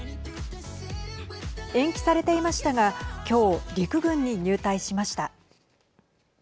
延期されていましたが今日陸軍に入隊しました。